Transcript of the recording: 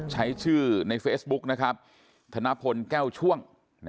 ใช้ชื่อในเฟซบุ๊กนะครับธนพลแก้วช่วง